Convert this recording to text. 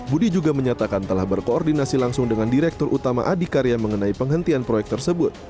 budi juga menyatakan telah berkoordinasi langsung dengan direktur utama adhikarya mengenai penghentian proyek tersebut